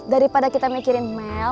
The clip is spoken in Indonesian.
daripada kita mikirin mel